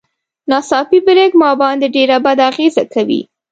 ناڅاپي بريک ما باندې ډېره بده اغېزه کوي.